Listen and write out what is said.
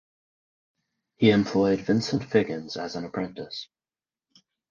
He employed Vincent Figgins as an apprentice.